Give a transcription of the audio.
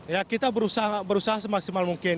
ya kita berusaha semaksimal mungkin